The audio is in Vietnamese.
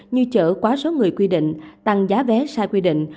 như chở quá số người quy định tăng giá vé sai quy định